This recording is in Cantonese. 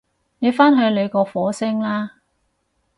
你返去你個火星啦